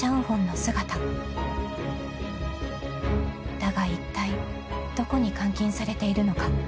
［だがいったいどこに監禁されているのか？］